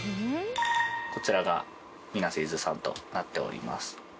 こちらが水瀬ゆずさんとなっております。